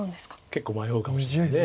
結構迷うかもしれない。